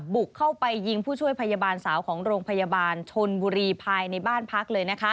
บุกเข้าไปยิงผู้ช่วยพยาบาลสาวของโรงพยาบาลชนบุรีภายในบ้านพักเลย